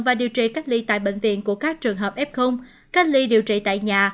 và điều trị cách ly tại bệnh viện của các trường hợp f cách ly điều trị tại nhà